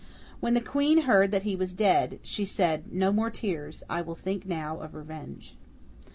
When the Queen heard that he was dead, she said, 'No more tears. I will think now of revenge!